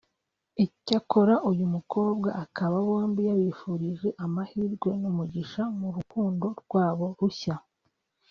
Icyakora uyu mukobwa akaba bombi yabifurije amahirwe n’umugisha mu rukundo rwabo rushya